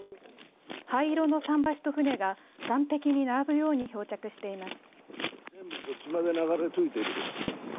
灰色の桟橋と船が岸壁に並ぶように漂着しています。